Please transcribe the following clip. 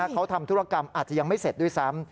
เขาทำธุรกรรมอาจจะยังไม่เสร็จด้วยซ้ำ